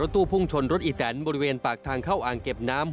ตู้พุ่งชนรถอีแตนบริเวณปากทางเข้าอ่างเก็บน้ำ